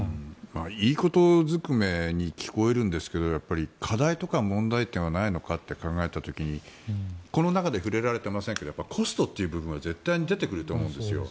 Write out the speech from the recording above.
いいことずくめに聞こえるんですけど課題とか問題点はないのかって考えた時にこの中で触れられていませんがコストという部分は絶対に出てくると思うんですよ。